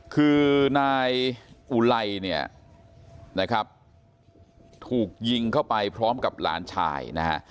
คือนายอุลัยถูกยิงเข้าไปพร้อมกับหลานชาย